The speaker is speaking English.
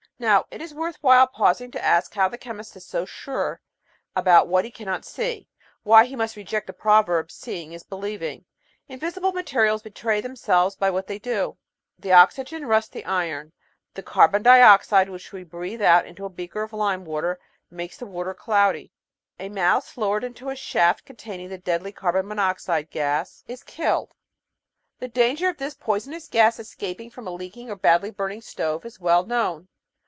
Now it is worth while pausing to ask how the chemist is so sure about what he cannot see, why he must reject the proverb "seeing is believing." Invisible materials betray themselves by what they do. The oxygen rusts the iron; the carbon dioxide which we breathe out into a beaker of lime water makes the water cloudy ; a mouse low ered into a shaft containing the deadly carbon monoxide gas is ;: L The Outline of Science killed. The danger of this poisonous gas escaping from a leaking or badly burning stove is well known.